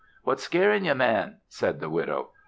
"What's scairin' ye, man?" said the widow.